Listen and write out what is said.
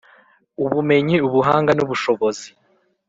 Ubumenyi ubuhanga n ubushobozi